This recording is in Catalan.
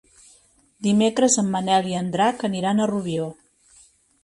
Dimecres en Manel i en Drac aniran a Rubió.